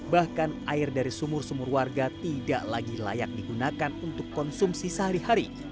bahkan air dari sumur sumur warga tidak lagi layak digunakan untuk konsumsi sehari hari